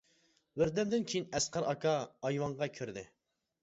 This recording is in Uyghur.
بىر دەمدىن كېيىن ئەسقەر ئاكا ئايۋانغا كىردى.